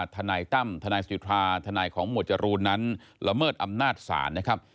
ทนายตั้มทนายสิทธาทนายของหมวดจรูนนั้นละเมิดอำนาจศาลนะครับ